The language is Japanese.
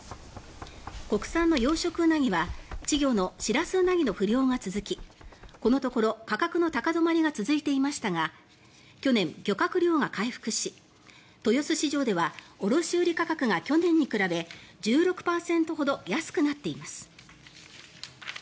国産の養殖ウナギは稚魚のシラスウナギの不漁が続きこのところ価格の高止まりが続いていましたが去年、漁獲量が回復し豊洲市場では卸売価格が去年に比べ１６％ほど安くなっています。